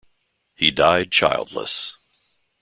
He died childless.